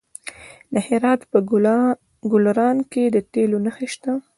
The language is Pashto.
د هرات په ګلران کې د تیلو نښې شته.